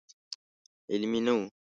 علمي نه و.